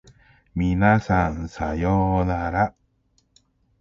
皆さんさようなら